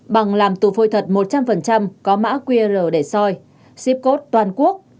bằng làm tù phôi thật một trăm linh có mã qr để soi ship code toàn quốc